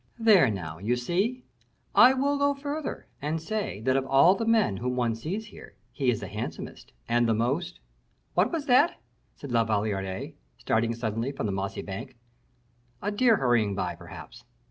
"There now, you see " "I will go further, and say, that of all the men whom one sees here, he is the handsomest, and the most " "What was that?" said La Valliere, starting suddenly from the mossy bank. "A deer hurrying by, perhaps."